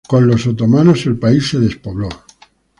Con los otomanos el país se despobló.